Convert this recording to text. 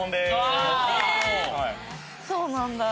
そうなんだ。